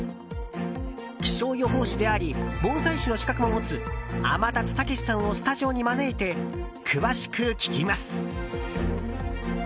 気象予報士であり防災士の資格も持つ天達武史さんをスタジオに招いて詳しく聞きます。